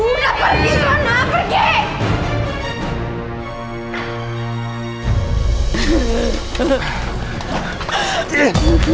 udah pergi pergi